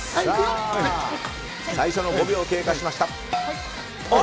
最初の５秒経過しました。